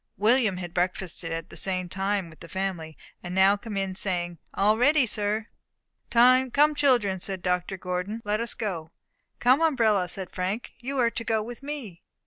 William had breakfasted at the same time with the family, and now came in, saying, "All ready, sir." "Come, children," said Dr. Gordon, "let us go." "Come, umbrella," said Frank, "you are to go with me."